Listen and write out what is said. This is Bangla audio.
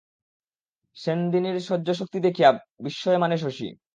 সেনদিনির সহ্যশক্তি দেখিয়া বিস্ময় মানে শশী।